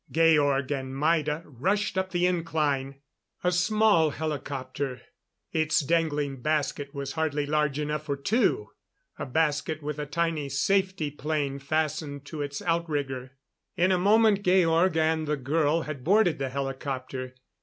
Georg and Maida rushed up the incline. A small helicopter; its dangling basket was barely large enough for two a basket with a tiny safety 'plane fastened to its outrigger. In a moment Georg and the girl had boarded the helicopter.